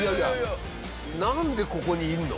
なんでここにいるの？